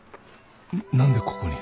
何でここに